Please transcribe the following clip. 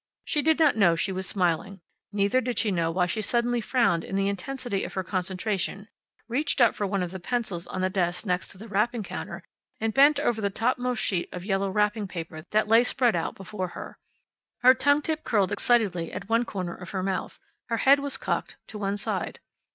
She did not know she was smiling. Neither did she know why she suddenly frowned in the intensity of her concentration, reached up for one of the pencils on the desk next the wrapping counter, and bent over the topmost sheet of yellow wrapping paper that lay spread out before her. Her tongue tip curled excitedly at one corner of her mouth. Her head was cocked to one side.